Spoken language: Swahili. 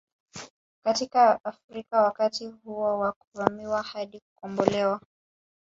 Katika Afrika wakati huo wa kuvamiwa hadi kukombolewa